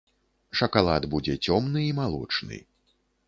Шакалад будзе цёмны і малочны.